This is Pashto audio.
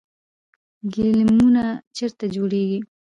ګلیمونه چیرته جوړیږي؟